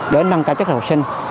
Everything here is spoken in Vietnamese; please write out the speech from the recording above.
chúng ta chắc là học sinh